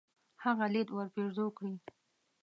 هغه ليد ورپېرزو کړي.